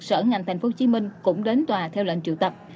sở ngành tp hcm cũng đến tòa theo lệnh triệu tập